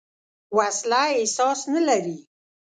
وسله احساس نه لري